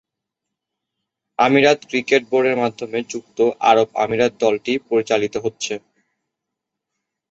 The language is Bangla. আমিরাত ক্রিকেট বোর্ডের মাধ্যমে সংযুক্ত আরব আমিরাত দলটি পরিচালিত হচ্ছে।